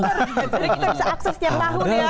jadi kita bisa akses tiap tahun ya